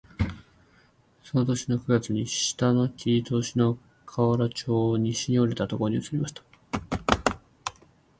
その年の九月に下の切り通しの河原町を西に折れたところに移りました